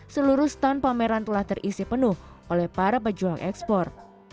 seluruh stand pameran telah terisi penuh oleh para pejuang ekspor